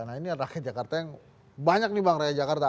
nah ini rakyat jakarta yang banyak nih bang raya jakarta